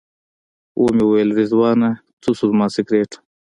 ومې ویل رضوانه څه شو زما سګرټ.